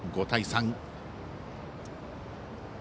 ５対３。